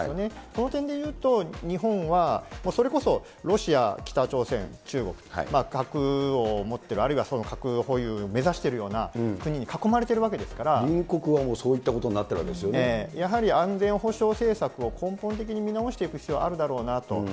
その点でいうと、日本は、それこそロシア、北朝鮮、中国、核を持っている、あるいは核保有を目指しているような国に囲まれ隣国はそういったことになっやはり安全保障政策を根本的に見直していく必要あるだろうなと。